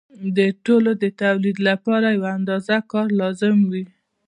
د ټولو د تولید لپاره یوه اندازه کار لازم وي